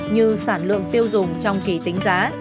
như sản lượng tiêu dùng trong kỳ tính giá